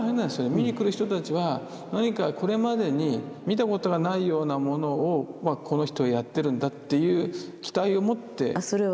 見に来る人たちは何かこれまでに見たことがないようなものをこの人はやってるんだっていう期待を持って見にくるという。